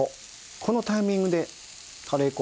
このタイミングでカレー粉イン。